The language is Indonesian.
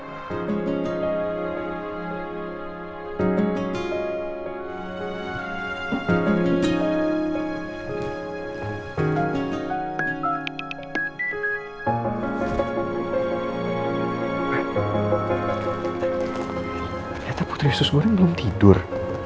ternyata putri sus goreng belum tidur